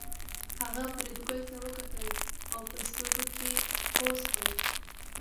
هغه فریدګل ته وکتل او په سترګو کې پوه شول